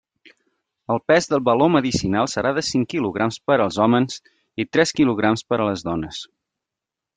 El pes del baló medicinal serà de cinc quilograms per als hòmens i tres quilograms per a les dones.